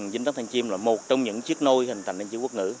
vinh đắn thanh chiêm là một trong những chiếc nôi hình thành đến chữ quốc ngữ